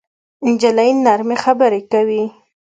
نجلۍ نرمه خبرې کوي.